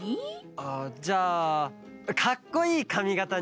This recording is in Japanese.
あっじゃあカッコいいかみがたに。